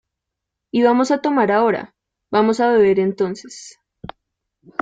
Y vamos a tomar ahora, vamos a beber entonces.